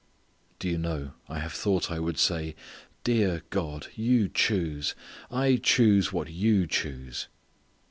Do you know I have thought I would say, "Dear God, you choose. I choose what you choose."